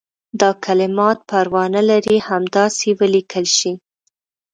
دا کلمات پروا نه لري همداسې ولیکل شي.